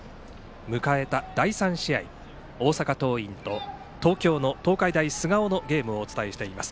迎えた第３試合大阪桐蔭と東京の東海大菅生のゲームをお伝えしています。